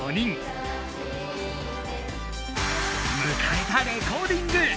むかえたレコーディング！